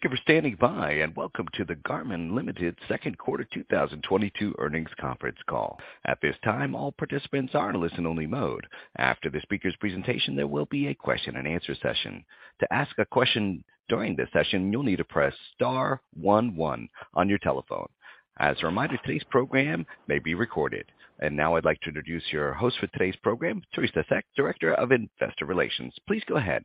Thank you for standing by, and welcome to the Garmin Ltd. second quarter 2022 earnings conference call. At this time, all participants are in listen-only mode. After the speaker's presentation, there will be a question and answer session. To ask a question during this session, you'll need to press star one one on your telephone. As a reminder, today's program may be recorded. Now I'd like to introduce your host for today's program, Teri Seck, Director of Investor Relations. Please go ahead.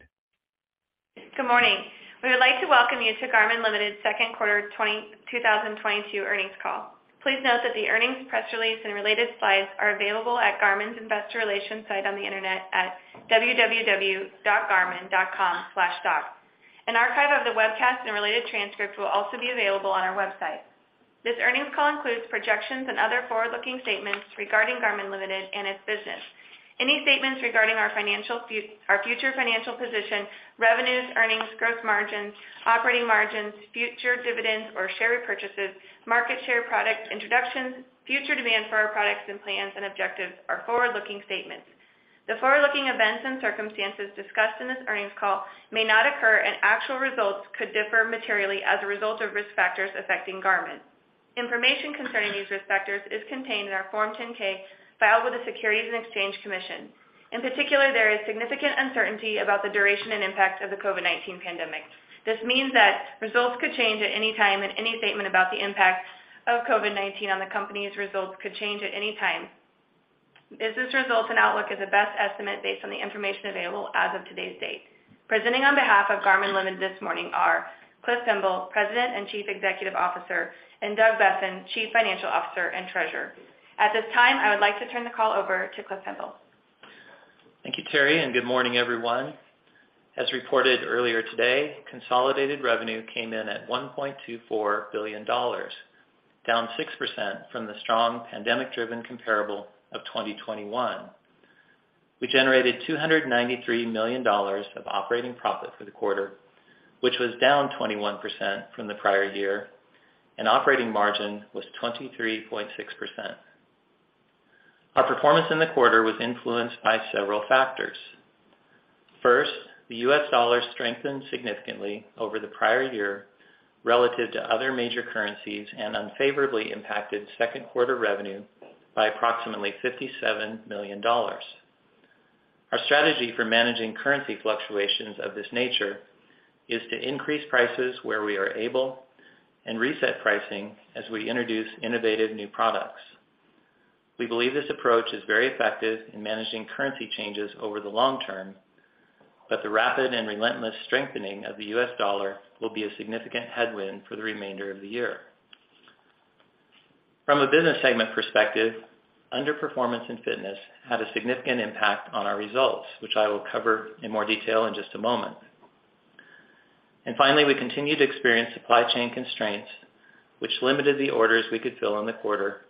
Good morning. We would like to welcome you to Garmin Ltd. second quarter 2022 earnings call. Please note that the earnings press release and related slides are available at Garmin's Investor Relations site on the Internet at www.garmin.com/investors. An archive of the webcast and related transcript will also be available on our website. This earnings call includes projections and other forward-looking statements regarding Garmin Ltd. and its business. Any statements regarding our future financial position, revenues, earnings, gross margins, operating margins, future dividends or share repurchases, market share, product introductions, future demand for our products, and plans and objectives are forward-looking statements. The forward-looking events and circumstances discussed in this earnings call may not occur, and actual results could differ materially as a result of risk factors affecting Garmin. Information concerning these risk factors is contained in our Form 10-K filed with the Securities and Exchange Commission. In particular, there is significant uncertainty about the duration and impact of the COVID-19 pandemic. This means that results could change at any time, and any statement about the impact of COVID-19 on the company's results could change at any time. Business results and outlook is a best estimate based on the information available as of today's date. Presenting on behalf of Garmin Ltd. this morning are Cliff Pemble, President and Chief Executive Officer, and Doug Boessen, Chief Financial Officer and Treasurer. At this time, I would like to turn the call over to Cliff Pemble. Thank you, Teri, and good morning, everyone. As reported earlier today, consolidated revenue came in at $1.24 billion, down 6% from the strong pandemic driven comparable of 2021. We generated $293 million of operating profit for the quarter, which was down 21% from the prior year, and operating margin was 23.6%. Our performance in the quarter was influenced by several factors. First, the U.S. dollar strengthened significantly over the prior year relative to other major currencies, and unfavorably impacted second quarter revenue by approximately $57 million. Our strategy for managing currency fluctuations of this nature is to increase prices where we are able and reset pricing as we introduce innovative new products. We believe this approach is very effective in managing currency changes over the long term, but the rapid and relentless strengthening of the U.S. dollar will be a significant headwind for the remainder of the year. From a business segment perspective, underperformance in fitness had a significant impact on our results, which I will cover in more detail in just a moment. Finally, we continue to experience supply chain constraints, which limited the orders we could fill in the quarter,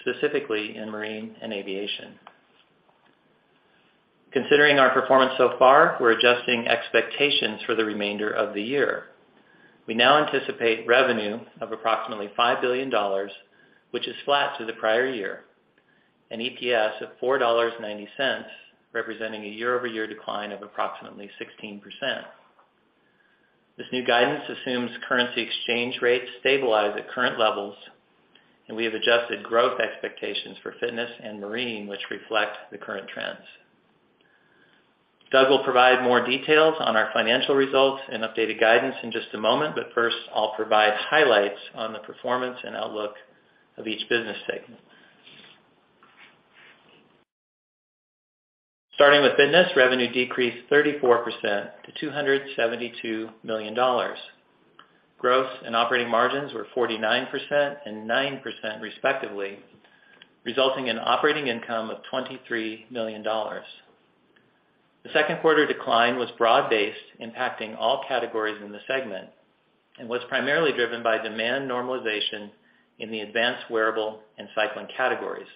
specifically in marine and aviation. Considering our performance so far, we're adjusting expectations for the remainder of the year. We now anticipate revenue of approximately $5 billion, which is flat to the prior year, and EPS of $4.90, representing a year-over-year decline of approximately 16%. This new guidance assumes currency exchange rates stabilize at current levels, and we have adjusted growth expectations for fitness and marine, which reflect the current trends. Doug will provide more details on our financial results and updated guidance in just a moment, but first I'll provide highlights on the performance and outlook of each business segment. Starting with fitness, revenue decreased 34% to $272 million. Gross and operating margins were 49% and 9% respectively, resulting in operating income of $23 million. The second quarter decline was broad-based, impacting all categories in the segment and was primarily driven by demand normalization in the advanced wearable and cycling categories.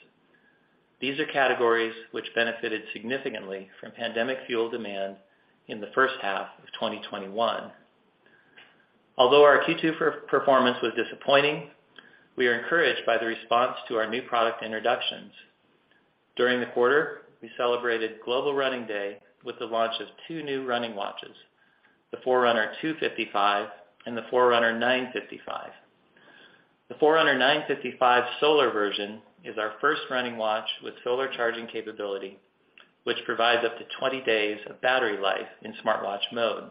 These are categories which benefited significantly from pandemic-fueled demand in the first half of 2021. Although our Q2 performance was disappointing, we are encouraged by the response to our new product introductions. During the quarter, we celebrated Global Running Day with the launch of two new running watches, the Forerunner 255 and the Forerunner 955. The Forerunner 955 solar version is our first running watch with solar charging capability, which provides up to 20 days of battery life in smartwatch mode.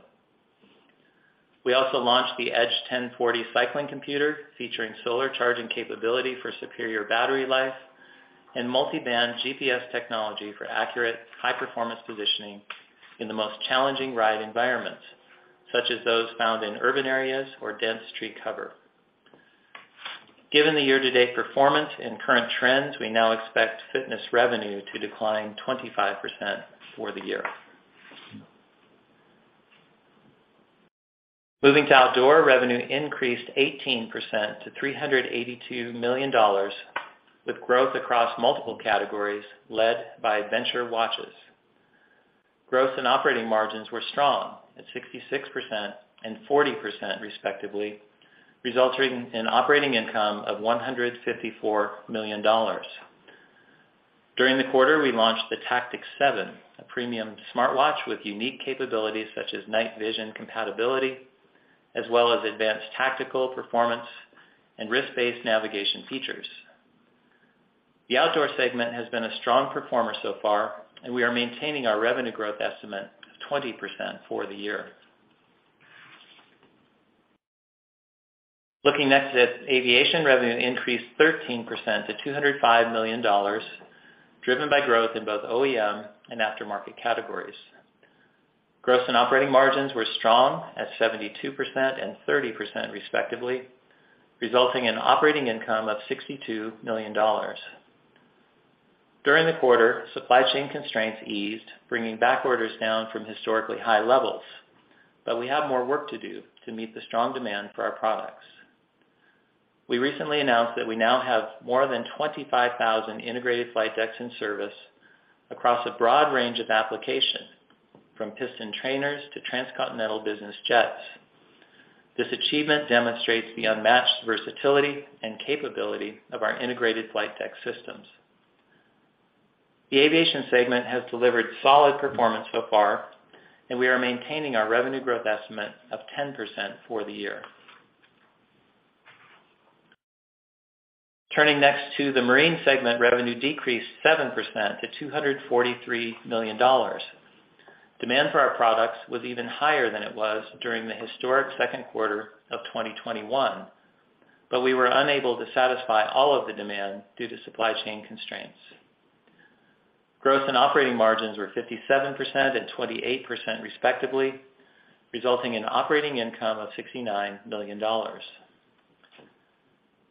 We also launched the Edge 1040 cycling computer, featuring solar charging capability for superior battery life and multi-band GPS technology for accurate high performance positioning in the most challenging ride environments, such as those found in urban areas or dense tree cover. Given the year-to-date performance and current trends, we now expect fitness revenue to decline 25% for the year. Moving to outdoor, revenue increased 18% to $382 million, with growth across multiple categories led by adventure watches. Growth and operating margins were strong at 66% and 40% respectively, resulting in operating income of $154 million. During the quarter, we launched the Tactix 7, a premium smartwatch with unique capabilities such as night vision compatibility, as well as advanced tactical performance and risk-based navigation features. The outdoor segment has been a strong performer so far, and we are maintaining our revenue growth estimate of 20% for the year. Looking next at aviation, revenue increased 13% to $205 million, driven by growth in both OEM and aftermarket categories. Gross and operating margins were strong at 72% and 30% respectively, resulting in operating income of $62 million. During the quarter, supply chain constraints eased, bringing back orders down from historically high levels, but we have more work to do to meet the strong demand for our products. We recently announced that we now have more than 25,000 integrated flight decks in service across a broad range of applications from piston trainers to transcontinental business jets. This achievement demonstrates the unmatched versatility and capability of our integrated flight deck systems. The aviation segment has delivered solid performance so far, and we are maintaining our revenue growth estimate of 10% for the year. Turning next to the marine segment, revenue decreased 7% to $243 million. Demand for our products was even higher than it was during the historic second quarter of 2021, but we were unable to satisfy all of the demand due to supply chain constraints. Growth and operating margins were 57% and 28% respectively, resulting in operating income of $69 million.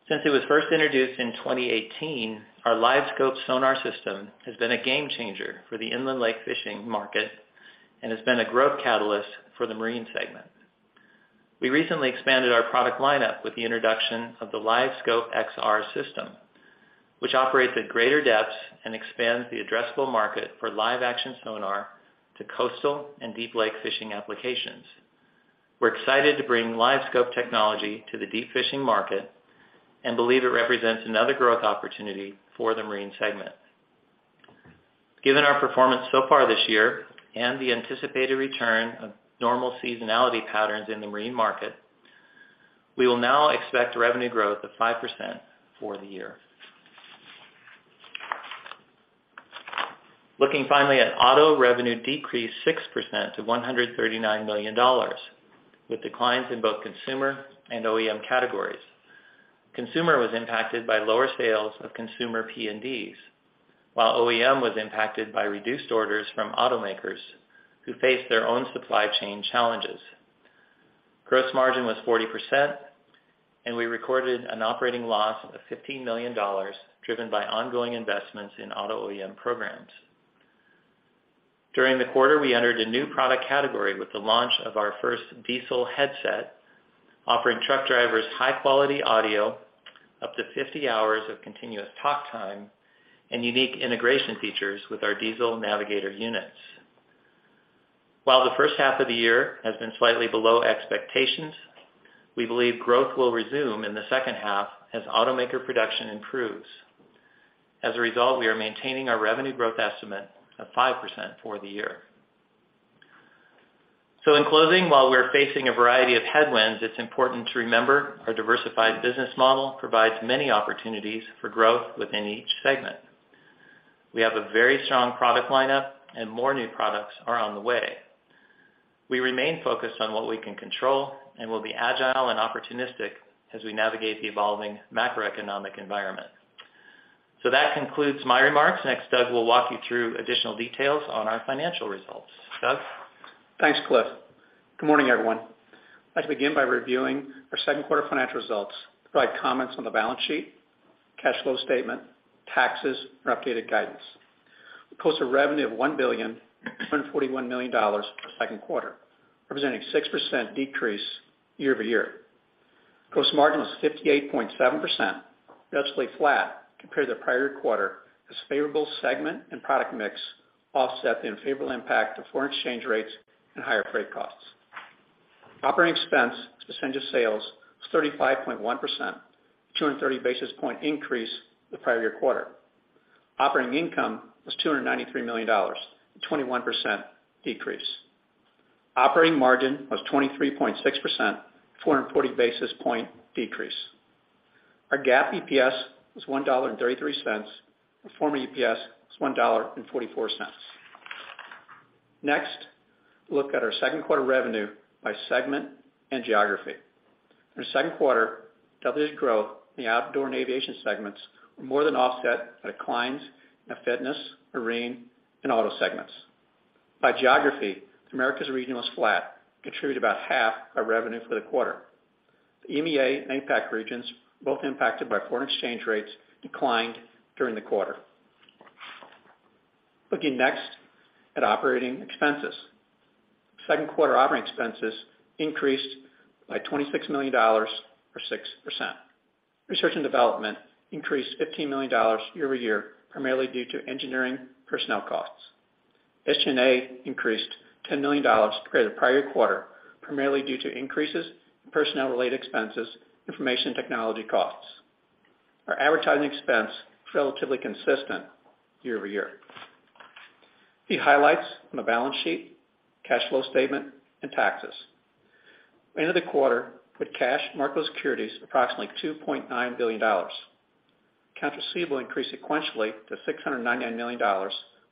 Since it was first introduced in 2018, our LiveScope sonar system has been a game changer for the inland lake fishing market and has been a growth catalyst for the marine segment. We recently expanded our product lineup with the introduction of the LiveScope XR system, which operates at greater depths and expands the addressable market for live action sonar to coastal and deep lake fishing applications. We're excited to bring LiveScope technology to the deep fishing market and believe it represents another growth opportunity for the marine segment. Given our performance so far this year and the anticipated return of normal seasonality patterns in the marine market, we will now expect revenue growth of 5% for the year. Looking finally at auto revenue decreased 6% to $139 million, with declines in both consumer and OEM categories. Consumer was impacted by lower sales of consumer PNDs, while OEM was impacted by reduced orders from automakers who faced their own supply chain challenges. Gross margin was 40%, and we recorded an operating loss of $15 million, driven by ongoing investments in auto OEM programs. During the quarter, we entered a new product category with the launch of our first dēzl Headset, offering truck drivers high quality audio, up to 50 hours of continuous talk time, and unique integration features with our dēzl navigator units. While the first half of the year has been slightly below expectations, we believe growth will resume in the second half as automaker production improves. As a result, we are maintaining our revenue growth estimate of 5% for the year. In closing, while we are facing a variety of headwinds, it's important to remember our diversified business model provides many opportunities for growth within each segment. We have a very strong product lineup and more new products are on the way. We remain focused on what we can control, and we'll be agile and opportunistic as we navigate the evolving macroeconomic environment. That concludes my remarks. Next, Doug will walk you through additional details on our financial results. Doug? Thanks, Cliff. Good morning, everyone. I'd like to begin by reviewing our second quarter financial results, provide comments on the balance sheet, cash flow statement, taxes, and updated guidance. We posted revenue of $1,241 million for the second quarter, representing 6% decrease year-over-year. Gross margin is 58.7%, actually flat compared to the prior quarter, as favorable segment and product mix offset the unfavorable impact of foreign exchange rates and higher freight costs. Operating expense as a percent of sales was 35.1%, 230 basis point increase the prior year quarter. Operating income was $293 million, a 21% decrease. Operating margin was 23.6%, 440 basis point decrease. Our GAAP EPS was $1.33. Our former EPS was $1.44. Next, look at our second quarter revenue by segment and geography. In the second quarter, our growth in the outdoor and aviation segments were more than offset by declines in the fitness, marine, and auto segments. By geography, America's region was flat, contributed about half our revenue for the quarter. The EMEA and APAC regions, both impacted by foreign exchange rates, declined during the quarter. Looking next at operating expenses. Second quarter operating expenses increased by $26 million or 6%. Research and development increased $15 million year-over-year, primarily due to engineering personnel costs. SG&A increased $10 million compared to the prior quarter, primarily due to increases in personnel-related expenses, information technology costs. Our advertising expense is relatively consistent year-over-year. The highlights on the balance sheet, cash flow statement, and taxes. End of the quarter, with cash and marketable securities approximately $2.9 billion. Accounts receivable increased sequentially to $699 million,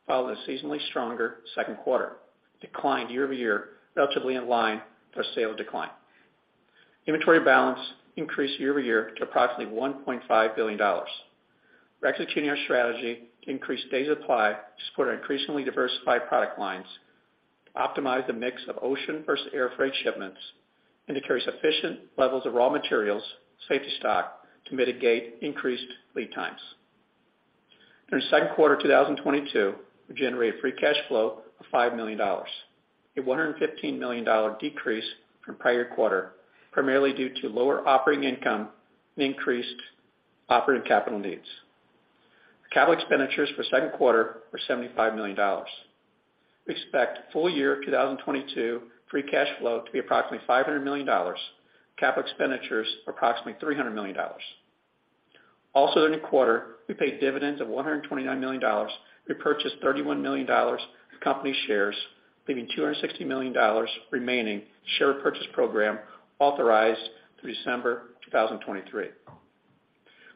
following a seasonally stronger second quarter, and declined year-over-year relatively in line with our sales decline. Inventory balance increased year-over-year to approximately $1.5 billion. We're executing our strategy to increase days of supply to support our increasingly diversified product lines, optimize the mix of ocean versus air freight shipments, and to carry sufficient levels of raw materials safety stock to mitigate increased lead times. During second quarter 2022, we generated free cash flow of $5 million, a $115 million decrease from prior quarter, primarily due to lower operating income and increased operating capital needs. The capital expenditures for second quarter were $75 million. We expect full year of 2022 free cash flow to be approximately $500 million, capital expenditures approximately $300 million. Also during the quarter, we paid dividends of $129 million. We purchased $31 million of company shares, leaving $260 million remaining share purchase program authorized through December 2023.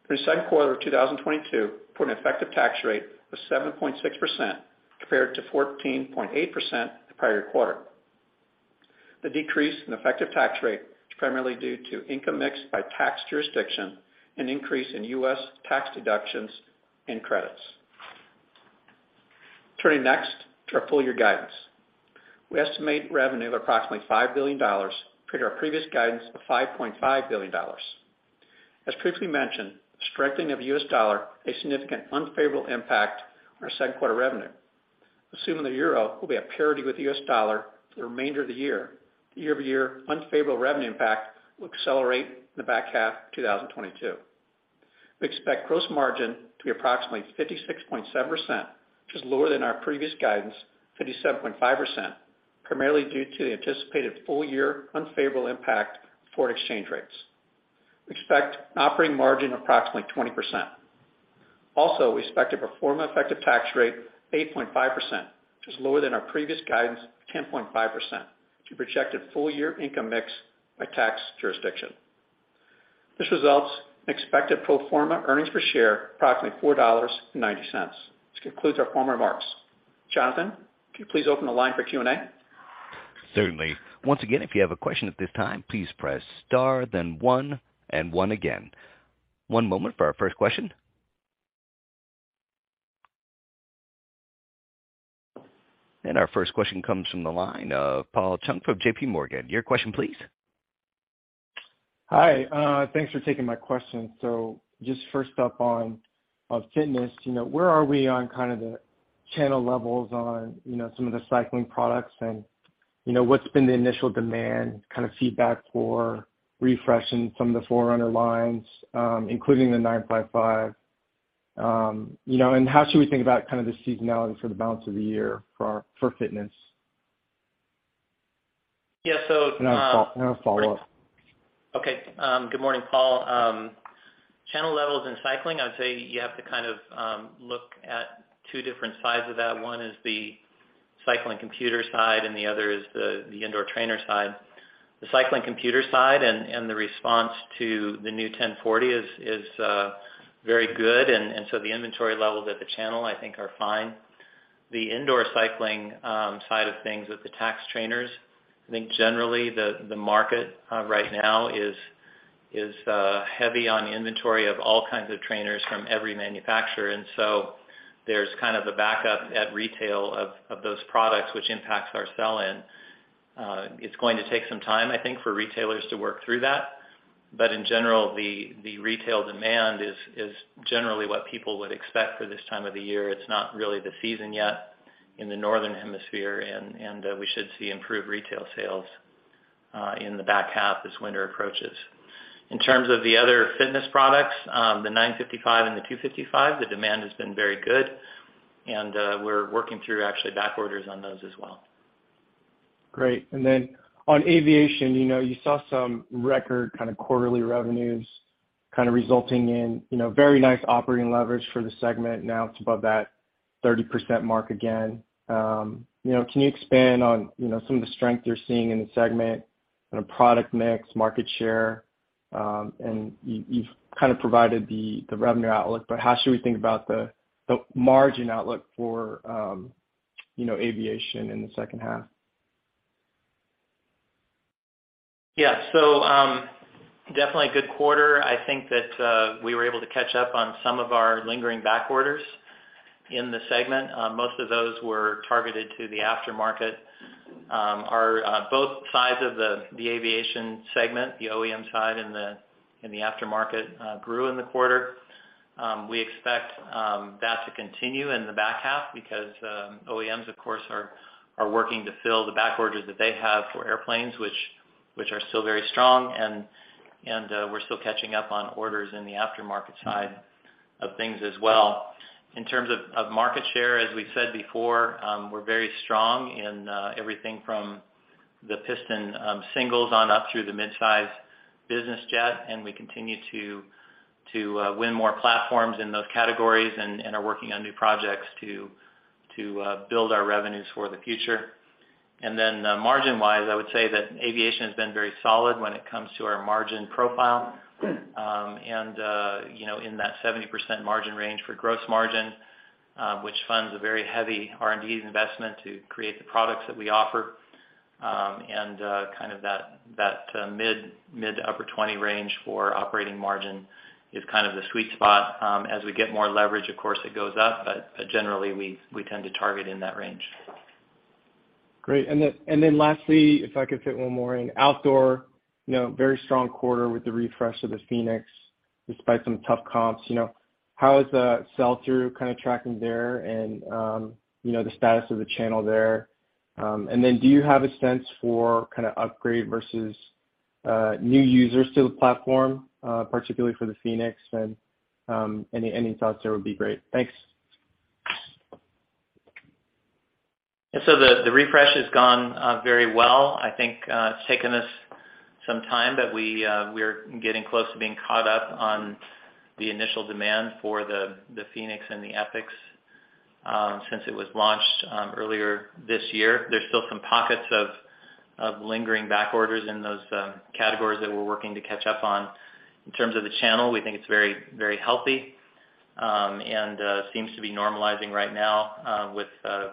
For the second quarter of 2022, an effective tax rate of 7.6% compared to 14.8% the prior quarter. The decrease in effective tax rate is primarily due to income mix by tax jurisdiction and increase in U.S. tax deductions and credits. Turning next to our full year guidance. We estimate revenue of approximately $5 billion compared to our previous guidance of $5.5 billion. As previously mentioned, the strengthening of the U.S. dollar had a significant unfavorable impact on our second quarter revenue. Assuming the euro will be at parity with the U.S. dollar for the remainder of the year-over-year unfavorable revenue impact will accelerate in the back half of 2022. We expect gross margin to be approximately 56.7%, which is lower than our previous guidance, 57.5%, primarily due to the anticipated full year unfavorable impact of foreign exchange rates. We expect an operating margin of approximately 20%. We expect an effective tax rate of 8.5%, which is lower than our previous guidance of 10.5% due to projected full year income mix by tax jurisdiction. This results in expected pro forma earnings per share of approximately $4.90. This concludes our formal remarks. Jonathan, could you please open the line for Q&A? Certainly. Once again, if you have a question at this time, please press star, then one, and one again. One moment for our first question. Our first question comes from the line of Paul Chung from J.P. Morgan. Your question please. Hi, thanks for taking my question. Just first up on fitness, you know, where are we on kind of the channel levels on, you know, some of the cycling products and, you know, what's been the initial demand kind of feedback for refreshing some of the Forerunner lines, including the 955? You know, and how should we think about kind of the seasonality for the balance of the year for fitness? Yeah. I have a follow-up. Okay. Good morning, Paul. Channel levels in cycling, I'd say you have to kind of look at two different sides of that. One is the cycling computer side and the other is the indoor trainer side. The cycling computer side and the response to the new 1040 is very good. The inventory levels at the channel I think are fine. The indoor cycling side of things with the Tacx trainers, I think generally the market right now is heavy on inventory of all kinds of trainers from every manufacturer. There's kind of a backup at retail of those products which impacts our sell-in. It's going to take some time, I think, for retailers to work through that. In general, the retail demand is generally what people would expect for this time of the year. It's not really the season yet in the northern hemisphere and we should see improved retail sales in the back half as winter approaches. In terms of the other fitness products, the 955 and the 255, the demand has been very good. We're working through actually back orders on those as well. Great. On aviation, you know, you saw some record kind of quarterly revenues kind of resulting in, you know, very nice operating leverage for the segment. Now it's above that 30% mark again. You know, can you expand on, you know, some of the strength you're seeing in the segment on a product mix, market share? And you've kind of provided the revenue outlook, but how should we think about the margin outlook for, you know, aviation in the second half? Definitely a good quarter. I think that we were able to catch up on some of our lingering back orders in the segment. Most of those were targeted to the aftermarket. Our both sides of the aviation segment, the OEM side and the aftermarket, grew in the quarter. We expect that to continue in the back half because OEMs of course are We're working to fill the back orders that they have for airplanes, which are still very strong and we're still catching up on orders in the aftermarket side of things as well. In terms of market share, as we said before, we're very strong in everything from the piston singles on up through the mid-size business jet, and we continue to win more platforms in those categories and are working on new projects to build our revenues for the future. Margin wise, I would say that aviation has been very solid when it comes to our margin profile. You know, in that 70% margin range for gross margin, which funds a very heavy R&D investment to create the products that we offer. Kind of that mid- to upper-20% range for operating margin is kind of the sweet spot. As we get more leverage, of course it goes up. Generally we tend to target in that range. Great. Then lastly, if I could fit one more in. Outdoor, you know, very strong quarter with the refresh of the fēnix, despite some tough comps, you know. How is the sell-through kind of tracking there and, you know, the status of the channel there? Do you have a sense for kind of upgrade versus new users to the platform, particularly for the fēnix? Any thoughts there would be great. Thanks. The refresh has gone very well. I think it's taken us some time, but we're getting close to being caught up on the initial demand for the fēnix and the epix since it was launched earlier this year. There's still some pockets of lingering back orders in those categories that we're working to catch up on. In terms of the channel, we think it's very healthy and seems to be normalizing right now with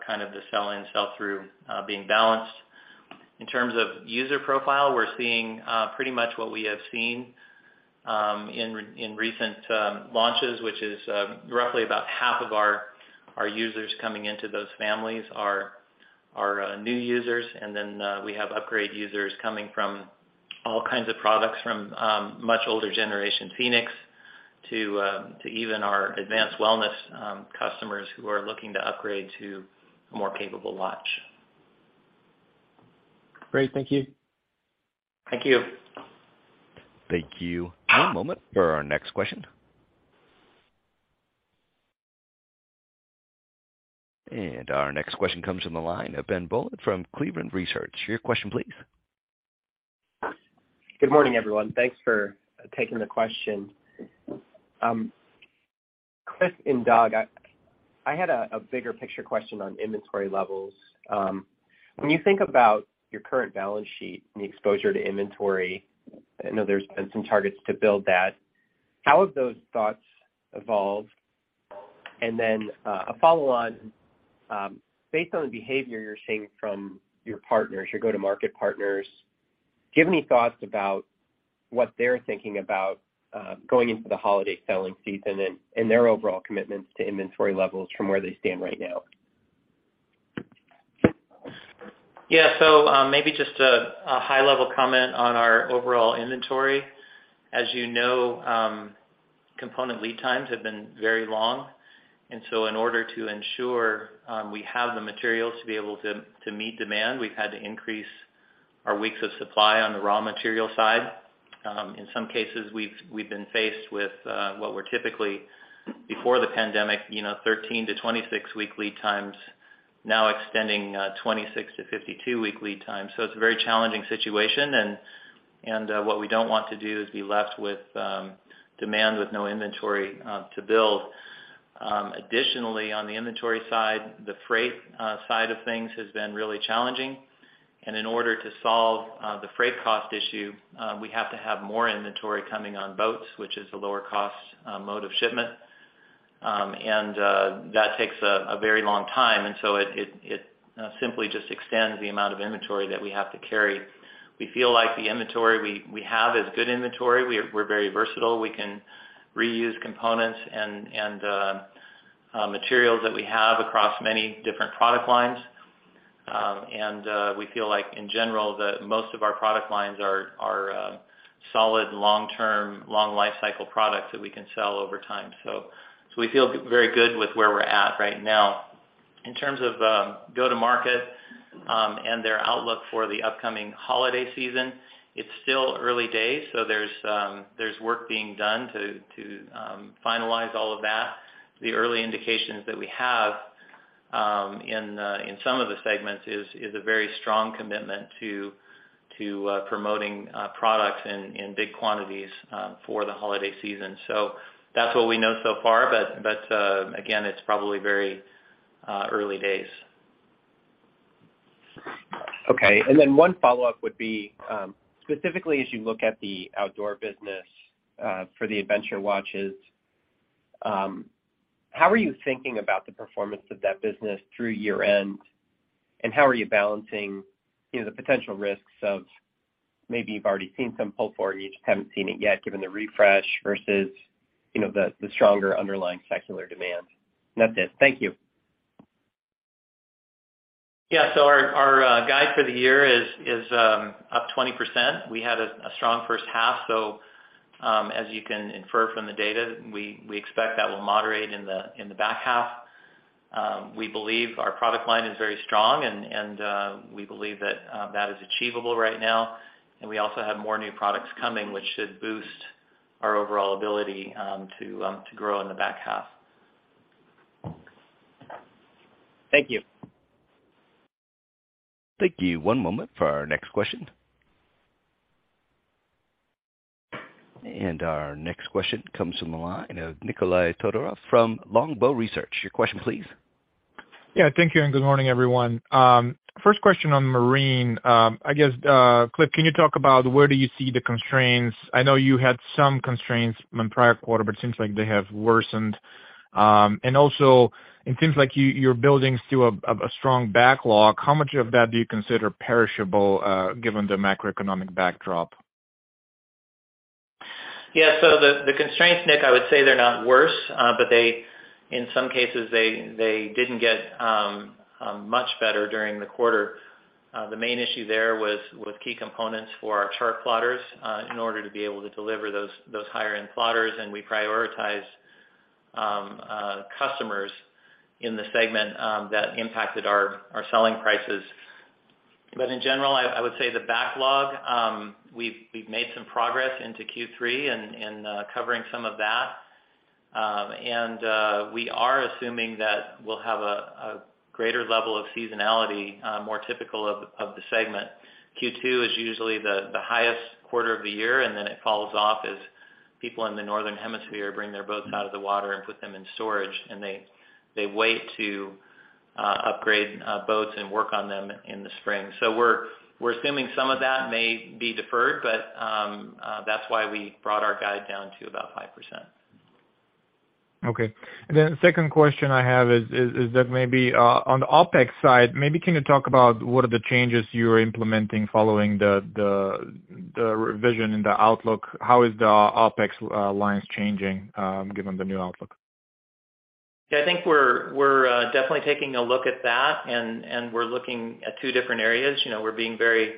kind of the sell-in, sell-through being balanced. In terms of user profile, we're seeing pretty much what we have seen in recent launches, which is roughly about half of our users coming into those families are new users. We have upgrade users coming from all kinds of products from much older generation fēnix to even our advanced wellness customers who are looking to upgrade to a more capable watch. Great. Thank you. Thank you. Thank you. One moment for our next question. Our next question comes from the line of Ben Bollin from Cleveland Research. Your question please. Good morning, everyone. Thanks for taking the question. Cliff and Doug, I had a bigger picture question on inventory levels. When you think about your current balance sheet and the exposure to inventory, I know there's been some targets to build that. How have those thoughts evolved? Then, a follow on, based on the behavior you're seeing from your partners, your go-to-market partners, do you have any thoughts about what they're thinking about, going into the holiday selling season and their overall commitments to inventory levels from where they stand right now? Yeah. Maybe just a high level comment on our overall inventory. As you know, component lead times have been very long, and so in order to ensure we have the materials to be able to meet demand, we've had to increase our weeks of supply on the raw material side. In some cases we've been faced with what were typically before the pandemic, you know, 13 to 26-week lead times, now extending 26 to 52-week lead times. It's a very challenging situation. What we don't want to do is be left with demand with no inventory to build. Additionally, on the inventory side, the freight side of things has been really challenging. In order to solve the freight cost issue, we have to have more inventory coming on boats, which is a lower cost mode of shipment. That takes a very long time, and so it simply just extends the amount of inventory that we have to carry. We feel like the inventory we have is good inventory. We're very versatile. We can reuse components and materials that we have across many different product lines. We feel like in general, the most of our product lines are solid long-term, long life cycle products that we can sell over time. We feel very good with where we're at right now. In terms of go-to-market and their outlook for the upcoming holiday season, it's still early days, so there's work being done to finalize all of that. The early indications that we have in some of the segments is a very strong commitment to promoting products in big quantities for the holiday season. That's what we know so far. Again, it's probably very early days. Okay. One follow-up would be, specifically as you look at the outdoor business, for the adventure watches, how are you thinking about the performance of that business through year end? How are you balancing, you know, the potential risks of maybe you've already seen some pull forward, you just haven't seen it yet given the refresh versus, you know, the stronger underlying secular demand? That's it. Thank you. Our guide for the year is up 20%. We had a strong first half, so as you can infer from the data, we expect that will moderate in the back half. We believe our product line is very strong and we believe that is achievable right now. We also have more new products coming, which should boost our overall ability to grow in the back half. Thank you. Thank you. One moment for our next question. Our next question comes from the line of Nikolay Todorov from Longbow Research. Your question please. Yeah. Thank you, and good morning, everyone. First question on marine. I guess, Cliff, can you talk about where do you see the constraints? I know you had some constraints in the prior quarter, but it seems like they have worsened. Also, it seems like you're building still a strong backlog. How much of that do you consider perishable, given the macroeconomic backdrop? The constraints, Nick, I would say they're not worse, but they in some cases didn't get much better during the quarter. The main issue there was with key components for our chart plotters in order to be able to deliver those higher-end plotters, and we prioritize customers in the segment that impacted our selling prices. In general, I would say the backlog, we've made some progress into Q3 in covering some of that. We are assuming that we'll have a greater level of seasonality more typical of the segment. Q2 is usually the highest quarter of the year, and then it falls off as people in the northern hemisphere bring their boats out of the water and put them in storage, and they wait to upgrade boats and work on them in the spring. We're assuming some of that may be deferred, but that's why we brought our guide down to about 5%. Okay. Then second question I have is that maybe on the OpEx side, maybe can you talk about what are the changes you're implementing following the revision in the outlook? How is the OpEx lines changing, given the new outlook? Yeah. I think we're definitely taking a look at that, and we're looking at two different areas. You know, we're being very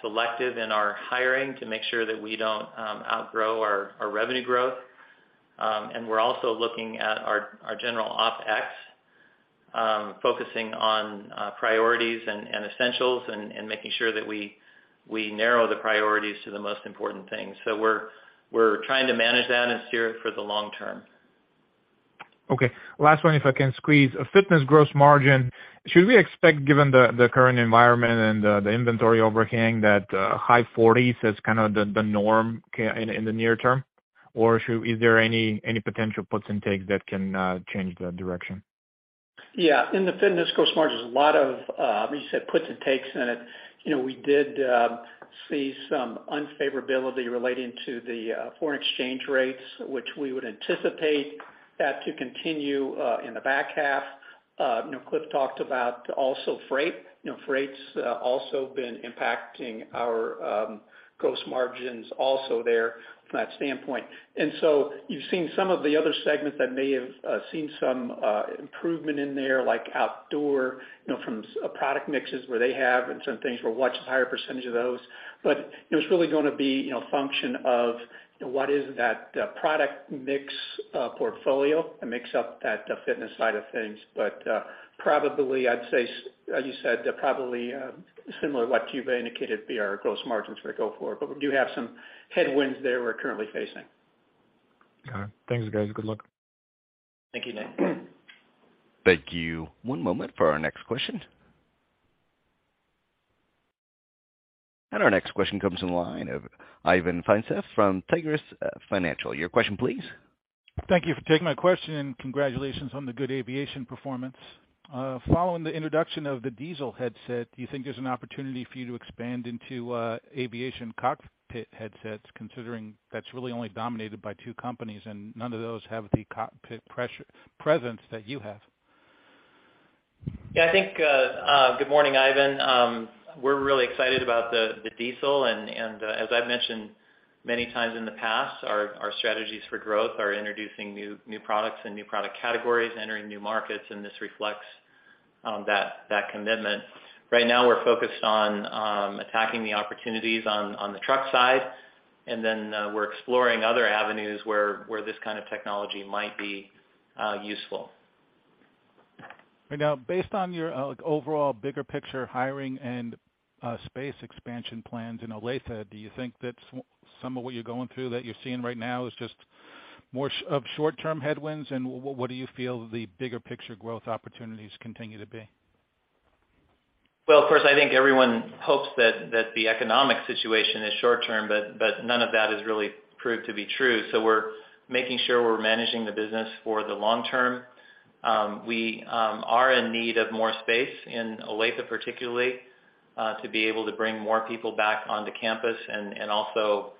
selective in our hiring to make sure that we don't outgrow our revenue growth. We're also looking at our general OpEx, focusing on priorities and essentials and making sure that we narrow the priorities to the most important things. We're trying to manage that and steer it for the long term. Okay. Last one, if I can squeeze. Fitness gross margin, should we expect, given the current environment and the inventory overhang, that high forties is kind of the norm in the near term? Or is there any potential puts and takes that can change the direction? Yeah. In the fitness gross margins, a lot of, as you said, puts and takes in it. You know, we did see some unfavorability relating to the foreign exchange rates, which we would anticipate that to continue in the back half. You know, Cliff talked about also freight. You know, freight's also been impacting our gross margins also there from that standpoint. You've seen some of the other segments that may have seen some improvement in there, like outdoor, you know, from product mixes where they have and some things where watches higher percentage of those. But it was really gonna be, you know, function of, you know, what is that product mix portfolio that makes up that, the fitness side of things. Probably I'd say, as you said, probably similar to what Q2 indicated will be our gross margins as we go forward, but we do have some headwinds there we're currently facing. All right. Thanks, guys. Good luck. Thank you, Nick. Thank you. One moment for our next question. Our next question comes in the line of Ivan Feinseth from Tigress Financial. Your question, please. Thank you for taking my question, and congratulations on the good aviation performance. Following the introduction of the dēzl Headset, do you think there's an opportunity for you to expand into aviation cockpit headsets, considering that's really only dominated by two companies and none of those have the cockpit presence that you have? Yeah, I think Good morning, Ivan. We're really excited about the dēzl. As I've mentioned many times in the past, our strategies for growth are introducing new products and new product categories, entering new markets, and this reflects that commitment. Right now we're focused on attacking the opportunities on the truck side, and then we're exploring other avenues where this kind of technology might be useful. Now based on your overall bigger picture hiring and space expansion plans in Olathe, do you think that some of what you're going through that you're seeing right now is just more of short-term headwinds, and what do you feel the bigger picture growth opportunities continue to be? Well, of course, I think everyone hopes that the economic situation is short term, but none of that has really proved to be true. We're making sure we're managing the business for the long term. We are in need of more space in Olathe, particularly to be able to bring more people back onto campus and also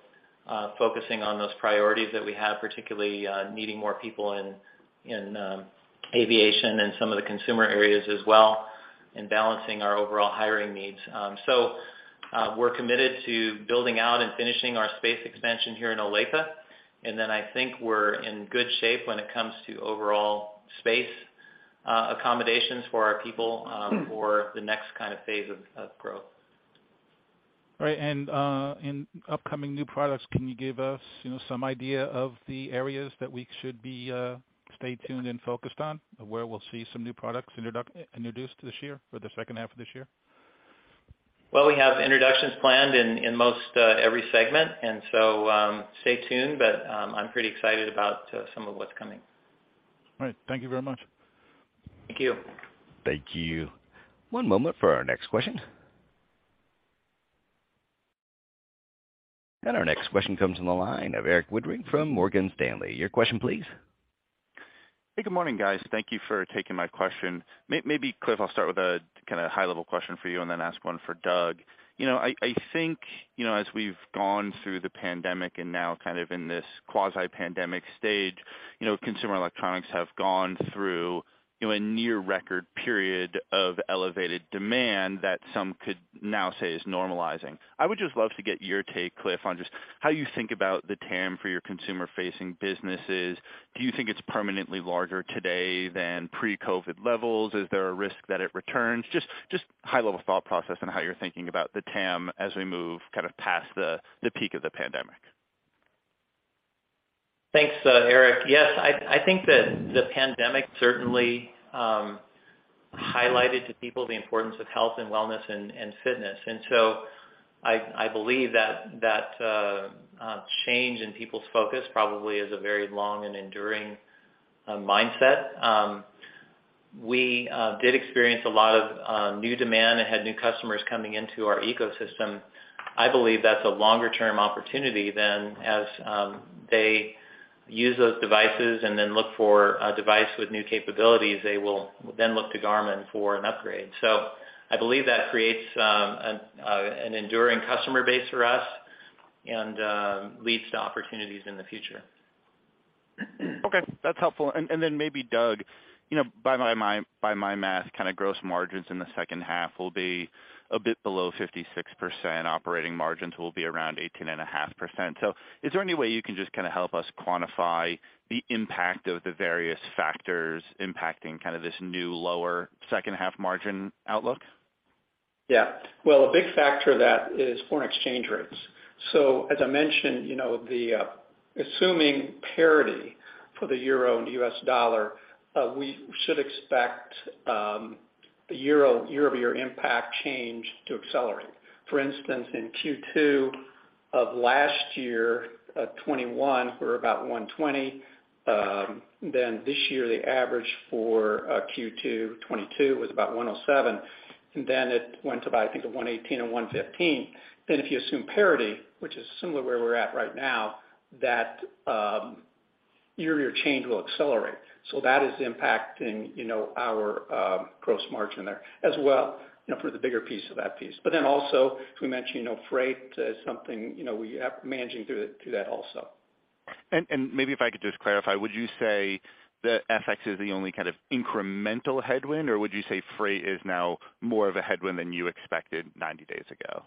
focusing on those priorities that we have, particularly needing more people in aviation and some of the consumer areas as well, and balancing our overall hiring needs. We're committed to building out and finishing our space expansion here in Olathe. Then I think we're in good shape when it comes to overall space. Accommodations for our people for the next kind of phase of growth. All right. In upcoming new products, can you give us, you know, some idea of the areas that we should be stay tuned and focused on where we'll see some new products introduced this year or the second half of this year? Well, we have introductions planned in most every segment. Stay tuned, but I'm pretty excited about some of what's coming. All right. Thank you very much. Thank you. Thank you. One moment for our next question. Our next question comes from the line of Erik Woodring from Morgan Stanley. Your question please. Hey, good morning, guys. Thank you for taking my question. Maybe, Cliff, I'll start with a kinda high level question for you and then ask one for Doug. You know, I think, you know, as we've gone through the pandemic and now kind of in this quasi-pandemic stage, you know, consumer electronics have gone through, you know, a near record period of elevated demand that some could now say is normalizing. I would just love to get your take, Cliff, on just how you think about the TAM for your consumer facing businesses. Do you think it's permanently larger today than pre-COVID levels? Is there a risk that it returns? Just high level thought process on how you're thinking about the TAM as we move kind of past the peak of the pandemic. Thanks, Erik. Yes, I think that the pandemic certainly highlighted to people the importance of health and wellness and fitness. I believe that change in people's focus probably is a very long and enduring mindset. We did experience a lot of new demand and had new customers coming into our ecosystem. I believe that's a longer term opportunity than as they use those devices and then look for a device with new capabilities, they will then look to Garmin for an upgrade. I believe that creates an enduring customer base for us and leads to opportunities in the future. Okay. That's helpful. Maybe Doug, you know, by my math, kinda gross margins in the second half will be a bit below 56%. Operating margins will be around 18.5%. Is there any way you can just kinda help us quantify the impact of the various factors impacting kind of this new lower second half margin outlook? Yeah. Well, a big factor of that is foreign exchange rates. So as I mentioned, you know, assuming parity for the euro and U.S. dollar, we should expect the year-over-year impact change to accelerate. For instance, in Q2 of last year, 2021, we were about 1.20. Then this year, the average for Q2 2022 was about 1.07, and then it went to, I think, 1.18 and 1.15. Then if you assume parity, which is similar to where we're at right now, that year-over-year change will accelerate. That is impacting, you know, our gross margin there as well, you know, for the bigger piece of that piece. But then also as we mentioned, you know, freight as something, you know, we are managing through that also. Maybe if I could just clarify, would you say that FX is the only kind of incremental headwind, or would you say freight is now more of a headwind than you expected 90 days ago?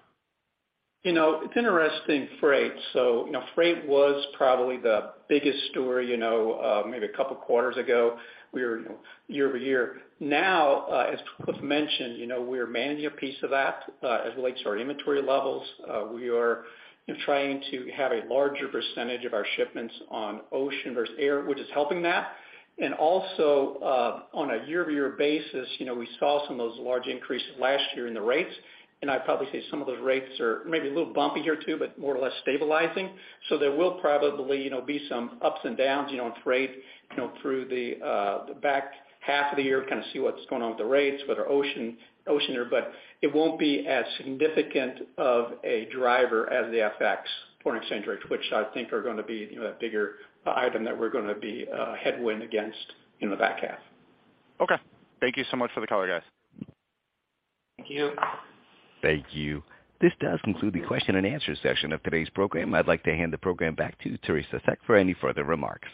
You know, it's interesting, freight. You know, freight was probably the biggest story, you know, maybe a couple quarters ago, we were year-over-year. Now, as Cliff mentioned, you know, we are managing a piece of that, as it relates to our inventory levels. We are trying to have a larger percentage of our shipments on ocean versus air, which is helping that. Also, on a year-over-year basis, you know, we saw some of those large increases last year in the rates. I'd probably say some of those rates are maybe a little bumpy here too, but more or less stabilizing. There will probably, you know, be some ups and downs, you know, on freight, you know, through the back half of the year, kind of see what's going on with the rates, whether ocean or ocean air. It won't be as significant of a driver as the FX foreign exchange rates, which I think are gonna be, you know, a bigger item that we're gonna be headwind against in the back half. Okay. Thank you so much for the color, guys. Thank you. Thank you. This does conclude the question and answer session of today's program. I'd like to hand the program back to Teri Seck for any further remarks.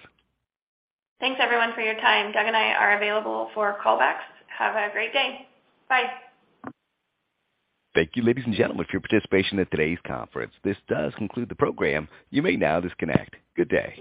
Thanks, everyone, for your time. Doug and I are available for callbacks. Have a great day. Bye. Thank you, ladies and gentlemen, for your participation in today's conference. This does conclude the program. You may now disconnect. Good day.